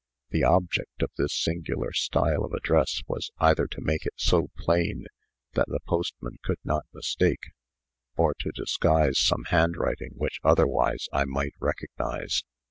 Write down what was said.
The object of this singular style of address was either to make it so plain that the postman could not mistake, or to disguise some handwriting which otherwise I might recognize.